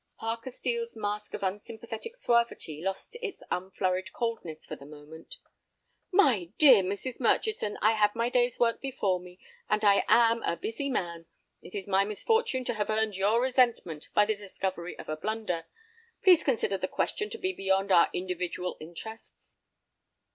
Parker Steel's mask of unsympathetic suavity lost its unflurried coldness for the moment. "My dear Mrs. Murchison, I have my day's work before me, and I am a busy man. It is my misfortune to have earned your resentment by the discovery of a blunder. Please consider the question to be beyond our individual interests."